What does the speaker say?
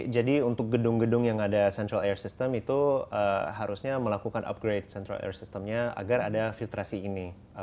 jadi untuk gedung gedung yang ada central air system itu harusnya melakukan upgrade central air system nya agar ada filtrasi ini